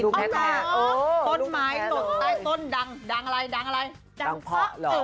ต้นไม้หลงใต้ต้นดังดังอะไรดังพะ